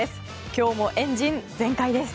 今日もエンジン全開です！